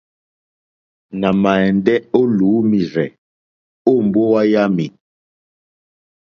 Nà ma ɛndɛ o lùumirzɛ̀ o mbowa yami.